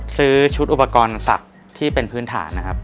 ซื้อชุดอุปกรณ์ศักดิ์ที่เป็นพื้นฐานนะครับ